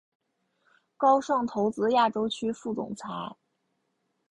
高盛投资亚洲区副总裁。